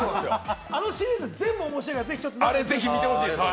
あのシリーズ全部面白いからぜひ見てほしい。